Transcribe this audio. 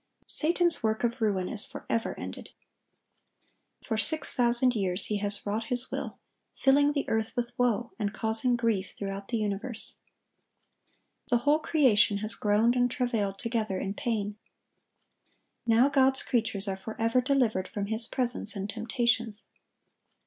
Satan's work of ruin is forever ended. For six thousand years he has wrought his will, filling the earth with woe, and causing grief throughout the universe. The whole creation has groaned and travailed together in pain. Now God's creatures are forever delivered from his presence and temptations.